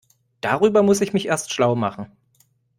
Darüber muss ich mich erst schlau machen.